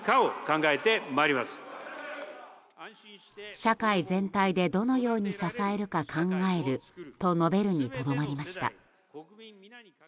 社会全体でどのように支えるか考えると述べるにとどまりました。